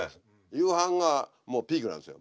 夕飯がもうピークなんですよ